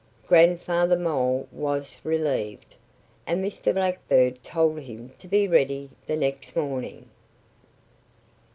Grandfather Mole was relieved. And Mr. Blackbird told him to be ready the next morning.